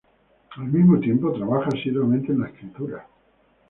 Al mismo tiempo, trabaja asiduamente en la escritura.